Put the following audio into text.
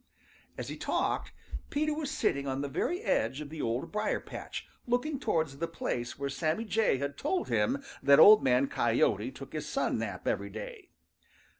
As he talked, Peter was sitting on the very edge of the Old Briar patch, looking towards the place where Sammy Jay had told him that Old Man Coyote took his sun nap every day.